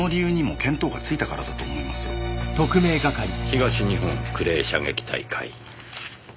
東日本クレー射撃大会。